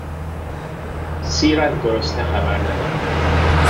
سیر از گرسنه خبر ندارد.